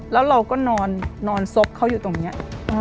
แล้วเราก็นอนซบเขาอยู่ตรงนี้